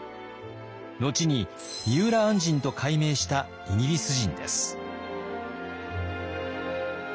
後に三浦按針と改名したイギリス人です。